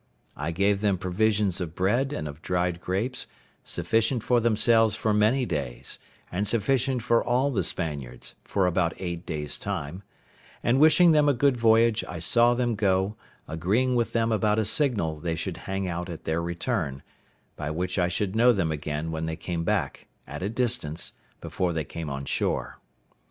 I gave them provisions of bread and of dried grapes, sufficient for themselves for many days, and sufficient for all the Spaniards—for about eight days' time; and wishing them a good voyage, I saw them go, agreeing with them about a signal they should hang out at their return, by which I should know them again when they came back, at a distance, before they came on shore.